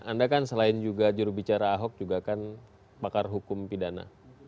anda kan selain juga jurubicara ahok juga kan pakar hukum pidana